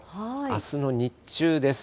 あすの日中です。